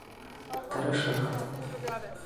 Тырышығыҙ.